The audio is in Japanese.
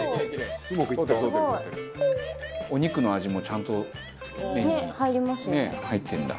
すごい！お肉の味もちゃんと麺に入ってるんだ。